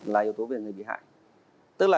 là yếu tố về người bị hại tức là